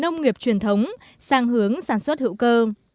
nông nghiệp truyền thống sang hướng sản xuất hữu cơ